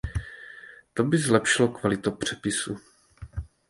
To by zlepšilo kvalitu přepisu.